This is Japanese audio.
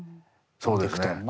そうですね。